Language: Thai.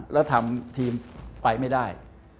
แล้วทำทีมไปไม่ได้